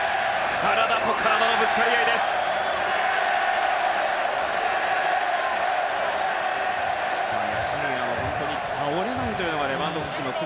体と体のぶつかり合いです。